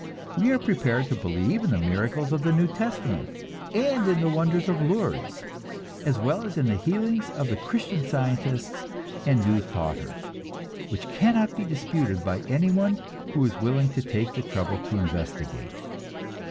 We are prepared to believe in the miracles of the New Testament, and in the wonders of Lourdes, as well as in the healings of the Christian Scientists and the New Thoughters, which cannot be disputed by any one who is willing to take the trouble to investigate.